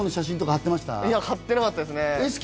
貼ってなかったですね。